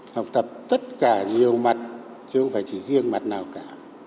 học tập tất cả nhiều mặt chứ không phải chỉ riêng mặt nào cả